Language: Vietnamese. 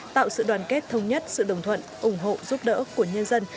tạo sự đoàn kết thống nhất sự đồng thuận ủng hộ giúp đỡ của nhân dân